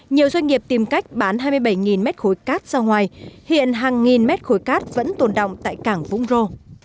nhiều doanh nghiệp tìm cách bán hai mươi bảy mét khối cát ra ngoài hiện hàng nghìn mét khối cát vẫn tồn động tại cảng vũng rô